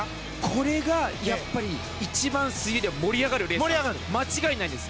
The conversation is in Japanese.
これがやっぱり水泳では盛り上がるレースなんです。